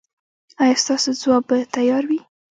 ایا ستاسو ځواب به تیار وي؟